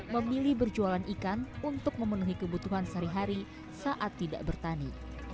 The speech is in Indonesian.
memilih berjualan ikan untuk memenuhi kebutuhan sehari hari saat tidak bertani